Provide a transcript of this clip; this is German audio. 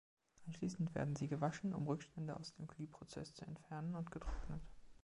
Anschließend werden sie gewaschen, um Rückstände aus dem Glühprozess zu entfernen, und getrocknet.